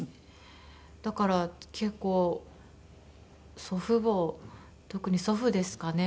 だから結構祖父母特に祖父ですかね。